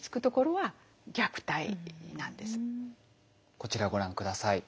こちらをご覧下さい。